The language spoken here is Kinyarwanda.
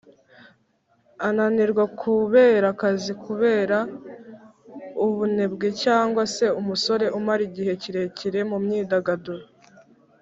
Ananirwa kubera akazi kubera ubunebwe cyangwa se umusore umara igihe kirekire mu myidagaduro